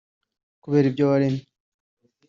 kureba ibyo waremye